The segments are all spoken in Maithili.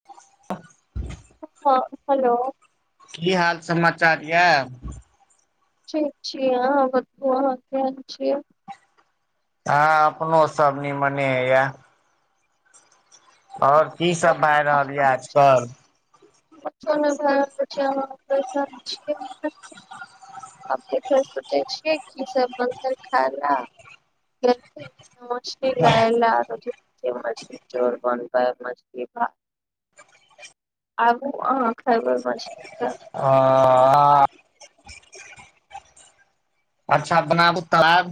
[unintelligible] हँ हेलो। की हाल समाचार यऽ, ठीक छी आहाँ बताऊ आहाँ केहन छी हँ अपनो सब निमने ह या, आओर की सब भए रहल यऽ आजकल [unintelligible] आब देखे सोचै छियै की सब बनतय खाय, लऽ [unintelligible] चोर बन मछली भात आबू अहाँ खेबे मछली तऽ- हँ [unintelligible] अच्छा बनाबू तब आब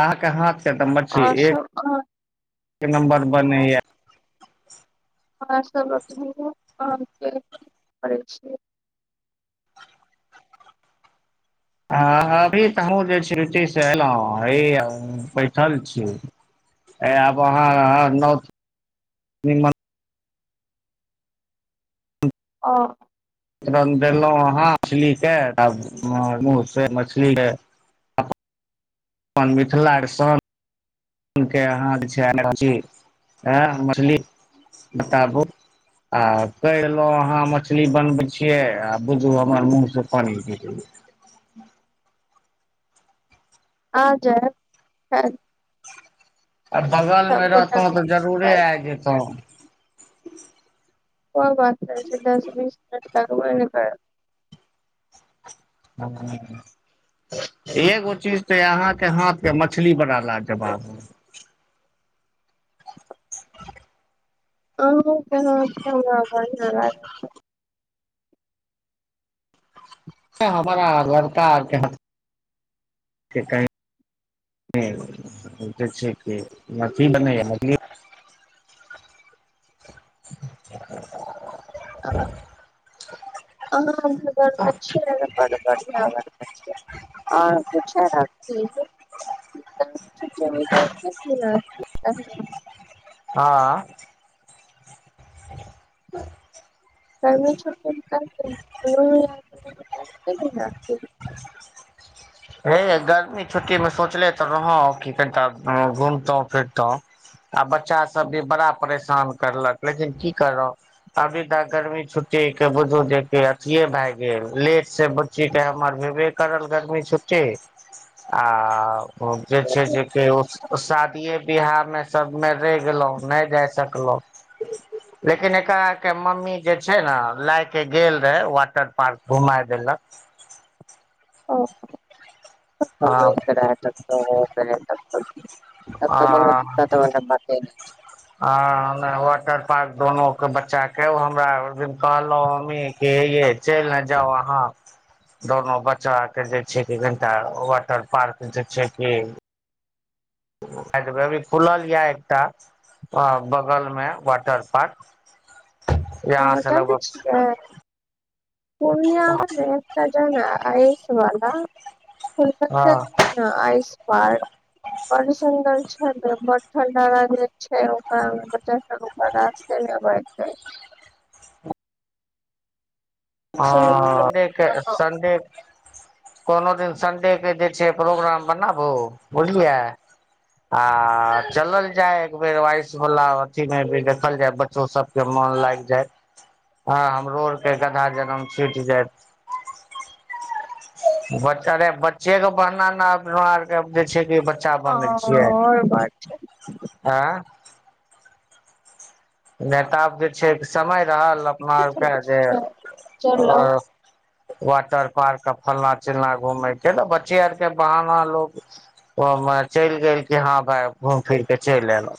अहाँके हाथ से तऽ मछली आओर एक सब अहाँ एक नम्बर बनैया। [unintelligible] हँ अभी तऽ हमहूँ जे छी ड्यूटी सँ एलहुँ हे बैठल छी, आब अहाँ नऽ म ओ- देलहुं हहं मछलीके तऽ मुह मछलीके अपन मिथिला कऽ सान- के अहाँ जे छैी मछली बताबु आ कलहु अहाँ मछली बनबे छियै आ बुझू हमर मुँह से पानी गिर आ जायब- आ बगल सब मे गोटा रहतो मिल तऽ के जरूरे खायब आब जतो ओ बात छै दस बीसिनट लागबै ने [unintelligible] एगो चीज तऽ अहाँके हाथके मछली बड़ा ला जबाब, [unintelligible] आहू के हाथ कऽ हमरा बढ़िया लागत हमरा लड़कार कह जे छै मछली बनै मछली [inaudible] [inaudible] [inaudible] [inaudible] आ [inaudible] हे गर्मी छुट्टी में सोचले तऽ रहो की कनिटा घूमतो फिरतो आ बच्चा सब भी बड़ा परेशान करलक लेकिन की करब अभी तऽ गर्मी छुट्टी के बुझू जे अथिए भए गेल लेट से ची कहे हमर भेबे करल गर्मी छुट्टी आ जे छै जे के शादियए बिवाहमे सभमे रेह गेलो नय जाय सकलहुँ लेकिन एकरा के मम्मी जे छै ने लायके गेल रहे वाटर पार्क घुमााय देलक [inaudible] [inaudible] तब आ तऽ कोनो तिक्कत बला बाते नय छै आ वाटर पार्क दुोनू के बच्चा के हमरा एक दिन कहलो हम ही हे ये चइल न जाउ अहाँ दोनो बच्चा के जे छै क कनिटा वाटर पार्क जे छै की [unintelligible] खुलल यऽ एकटा अ बगल मे वाटर पार्क यहाँ आओर से लगभग पूर्णियामे न जन आयसवला हँ [inaudible] आइस पार्क बड सुन्दर छै ब ठण्डा लागे छै [inaudible] [inaudible] ह [inaudible] छै संडे के संडे के कोनो दिन सन्डे के जे छै प्रोग्राम बनाबू बुझलियै आ चलल जाय एक बेेर आइस वला अथी मे भी देखल जाय बच्चो सब के मन लाइग जायत हमरो आर के गधा जनम छूइट जैत बच्चरे बच्चे के पहना न अपना आरके जे छै चा बनै [inaudible] छियै और बैठे आँ नय तऽ आब जे छै समय रहल अपना आरके जे चलब चलब वाटर पार्क आ फल्ना चिलना घूमेय के ने बच्चे आर के बहाना लोको ओमे चइल गेल खिन हँ भाय घूम फिर के चलि एलो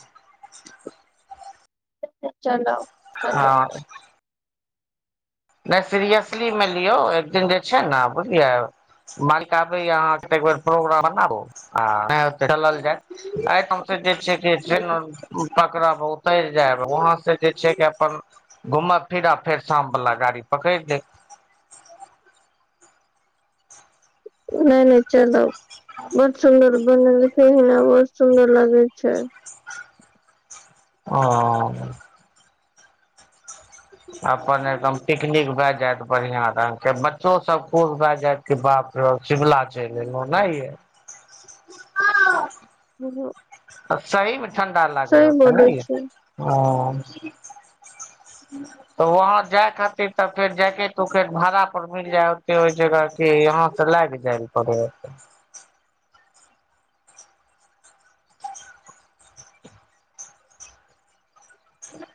चलब [inaudible] हँ नय सीरियसली मे लियौ एक दिन जे छै ने बुझलियै मालिक आबे य अहाँ के त एक बेर प्रोग्राम बनाबू आ चलल जाय आइ त जे छै ट्रेन अर पकड़ा बहुत उतैर जायब वहाँ से जे छै अपन घूमब फिरब फेर शाम वला गाड़ी पकैड़ लैब नय नय चलब बड़ सुदर बनेलखिन ह बड़ सुदर लागे छै ओ [inaudible] अपन एकदम पिकनिक भय जायइत बढ़िया रंग के बच्चो सब खुश भैय जायत के बाप रे शिमला चइल एलो ओना ये हैलो तऽ सहीमे ठं्डा लागै ह ओतै ह बोले छै [unintelligible] तऽ वहााँ जाय खातिर तऽ फेर जकेट उकट भाड़ा पर मिल जाय ओते ओहि जगह कि यहाँ सऽ लएागी जाइ परे हैय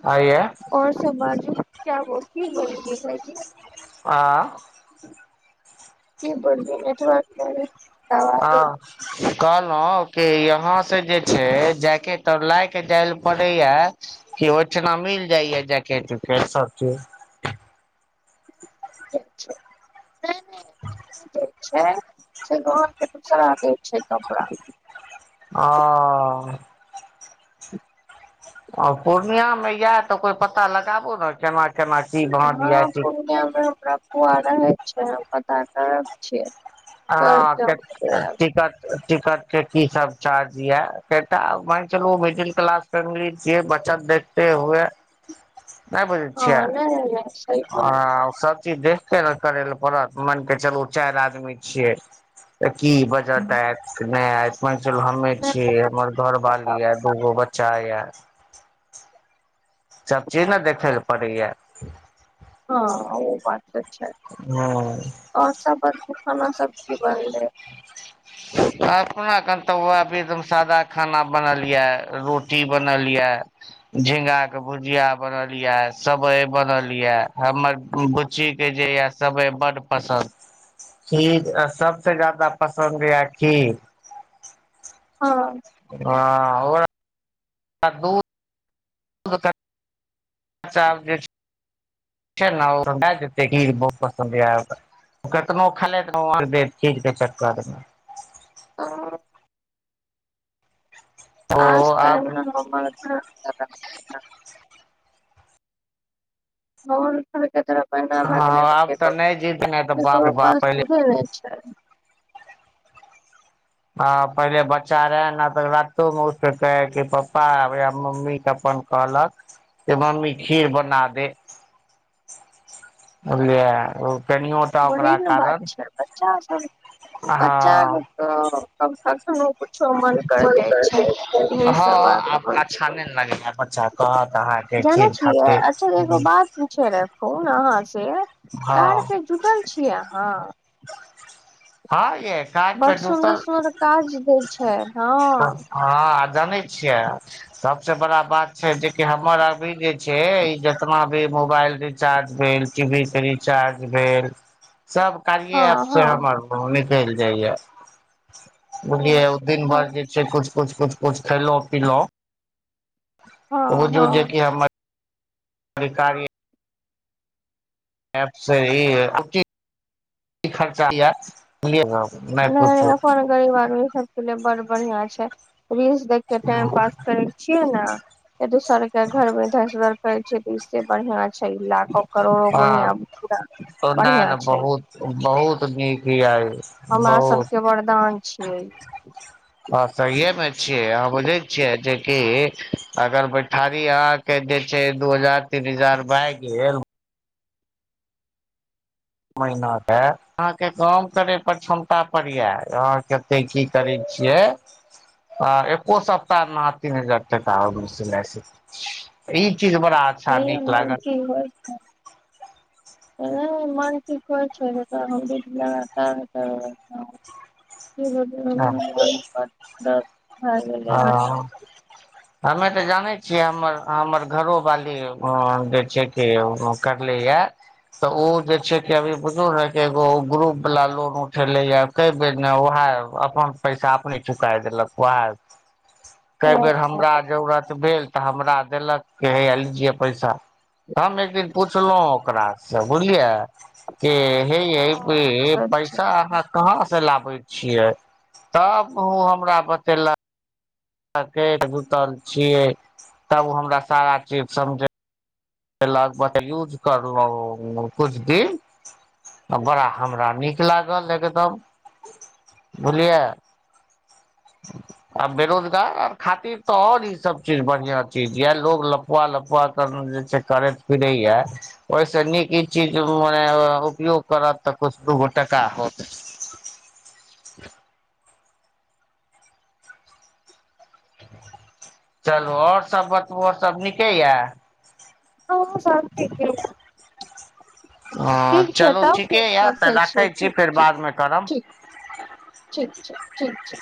हेय यै और सब बाजू क्या बोती बोलियै भाइजी आँ की बोलिए नऽ हँ कहलहुं कि यहा से जे छै जायके तऽ लाय के जाय ल पड़े या किओहिठिना मिल जाइया जैकेट उकेट सब चीज नहि [unintelligible] छै से गर के दूसरा द छै कपड़ा ओ आ पूर्णियामे यए तऽ कोइ पता लगाबू ने केना केना की भाँ द य हँ पूर्णिया में हमरा फुआ रहै छै पता करब छियै हँ करके हम बतायब टिकट टिकट के की सब चार्ज य क मान चलू मिडिल क्लास ी बचत देखेत हुए नहि बी छै हँ नहि नहि सही आ बोललियै सबचीज देख के करे लए पड़त मान के चलू चारि आदमी छियै तऽ की बजट आत नहि आत मान चलू हमे छीयै नहि हमर घरवाली ये दूगो बच्चा ये सब चीज ने देखेय पड़ै यऽ हँ ओ बात तऽ छै हूँ आओर सब खाना सब की बनलै [unintelligible] अपना कन तऽ भी एकदम सादा खाना बनल ये रोटी बनल यऽ झिंगा के भुजिया बनल यै सबइ बनल यै हमर बुच्ची के जे ये सबइ बड्ड पसन्द खीर सबसे जादा पसन्द यऽ खीर हँ हँ [unintelligible] तऽ दूध [unintelligible] [unintelligible] बहुत पसन्द य केतनो खेलैत रहुॅ देह चीज के चक्करमे [unintelligible] ओ आब [unintelligible] [unintelligible] तरफ ना भए हँ गेले ने आब तऽ केकरो नहि जीत ने तऽ बाप रे केकरो बाप पासे दुघे नहि छै। ह पहिले बच्चा रहे ने तऽ रातो म कह कि पप्पा य मम्मी के अपन कहलक जे मम्मी खीर बना दे बुझलियै ओ केनिो तऽ वही ओकरा ने बात कारण छै बच्चा सब बच्चा हँ कखनो कुछो मन कर जाय छै यह सब हँ बात आब होइ छै अच्छा नै न लगैए बच्चा कहत अहाँके खीर खातिर पुछय राखु अहाँ से हँ कार पे जुटल छीयै अहाँ। हँ गेस बड सुन्दर सुर काज दै छै हँ हँ आ जनै छियै सबसे बड़ा बात छै जेकि हमर अवी जे छै ई जेतना भी मोबाइल चार्ज भेल टी वी रीचार्ज भेल सब। हँ कारिये एप से हँ हमर निकलि जाइया बुझलियै ओ दिन हँ भर जे छै कुछ कुछ कुछ कुछ खेलौं पिलौं हँ हँ बुझियौ जे की हमर अधिकारी ऐप सही अछी उचित इ खर्चा रूपया। [unintelligible] बोलिये बम [unintelligible] नै अपन गरीब आदमी सबके लिए बड़ बढ़ियां छै रीलस देखके टाइम पास करे छियै न दोसर के घर मे दस घर कहै छै तऽ इसे बढ़िया छै लाखो करोड़ो हँ गुनिया पूरा ओना बनिया ने छै बहुत बहुत नीक हीया य हमरा बहुत सबके वरदान छियै ह सहिये मे छियै अहाँ बुझै छियै जेकि अगर बैठारी अहाँ कै बेचै दू हजार तीन हजार भए गेल महिना मे अहाँके काम करय पर क्षमता पड़या अहाँ कते की करी छियै आ एको सप्ताह मे तीन हजार टका अबै सिलाइ सी ई चीज बड़ा अच्छा हरियर नीक मन लागल की व्रत है [inaudible] मन ठीक होइ छै त हम बीच लगातार त हँ [unintelligible] [unintelligible] हँ हमे तऽ जानै छियै हमर हमर घरोवाली जे छै कि करलै या तऽ ओ जे छै की अभी बुझु ने की एगो ग्रुप वाला लोन उठेलै या कए बेर ने उएह अपन पैसाब अपने चुका देलक उएह कए बेर हमरा जरूरत भेल तऽ हमरा देलक कि हैया लीये पैसा हम एक दिन पुछलौ ओकरा सँ बुझलियै की हे यै एक बेर अच्छा अच्छा पैसा अहाँ कहां से लाबै छियै तब ओ हमरा बतेलक जुतल छियै तब उ हमरा सारा चीज समझे [unintelligible] यूज करलौ उ कुछ दिन बड़ा हमरा नीक लागल एकदम बुलियै [inaudible] आ बेरोजगार खातिर तऽ आओर ईसब चीज बढ़िआँ चीज यए लोग लफुआ लफुआ करनो जे छै करैत पिरैएा ओयसे नीक ई चीज मने उपयोग करत तऽ कछु दूगो टका होत चलू आओर सब बतबू आओर सब नीके यए हँ साब टीके या हँ चलू ठीके यऽ तऽ रखै छियै राखैत छी फेर ठीक बादमे करब ठीक ठीक छै ठीक छै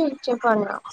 ठीक छै प्रणाम